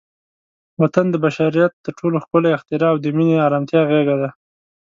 وطن د بشریت تر ټولو ښکلی اختراع او د مینې، ارامتیا غېږه ده.